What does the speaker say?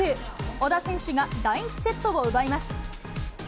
小田選手が第１セットを奪います。